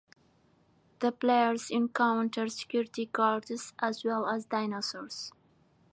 The players encounter security guards as well as dinosaurs.